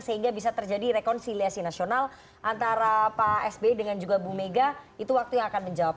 sehingga bisa terjadi rekonsiliasi nasional antara pak sby dengan juga bu mega itu waktu yang akan menjawab